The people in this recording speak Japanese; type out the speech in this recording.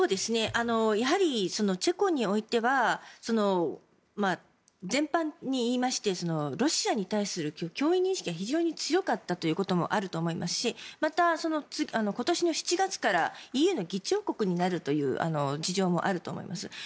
やはりチェコにおいては全般に言いましてロシアに対する脅威認識が非常に強かったということもあると思いますしまた、今年の７月からＥＵの議長国になるという事情もあると思います。